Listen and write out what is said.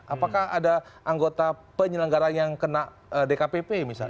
apakah ada anggota penyelenggara yang kena dkpp misalnya